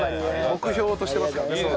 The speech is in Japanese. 目標としてますからね。